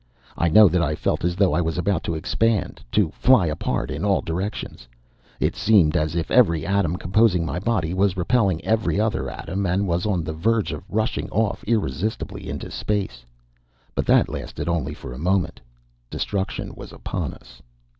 I know that I felt as though I was about to expand, to fly apart in all directions. It seemed as if every atom composing my body was repelling every other atom and was on the verge of rushing off irresistibly into space. But that lasted only for a moment. Destruction was upon us.